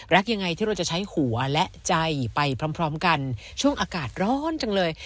รักยังไงที่เราจะใช้หัวและใจไปพร้อมกันช่วงอากาศร้อนจังเลย